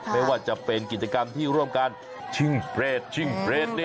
ไม่ว่าจะเป็นกิจกรรมที่ร่วมกันชิงเฟรดชิงเรด